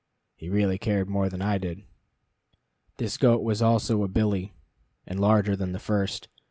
He really cared more than I did. This goat was also a billy, and larger than the first.